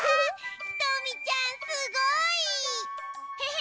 ひとみちゃんすごい！へへ！